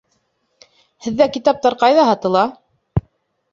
Һеҙҙә китаптар ҡайҙа һатыла?